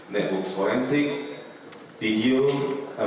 network forensik video dan juga data